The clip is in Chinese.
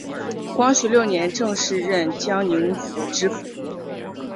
光绪六年正式任江宁府知府。